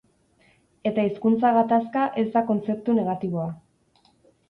Eta hizkuntza gatazka ez da kontzeptu negatiboa.